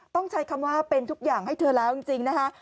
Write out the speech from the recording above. ต้องใช้คำว่าเป็นทุกอย่างให้เธอแล้วจริงนะคะ